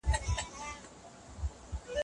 زۀ غواړم چې مونږ يو ښۀ ژوند ولرو.